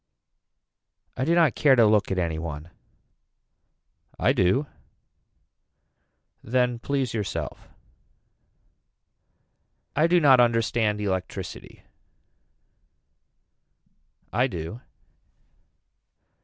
I do not care to look at any one. I do. Then please yourself. I do not understand electricity. I do.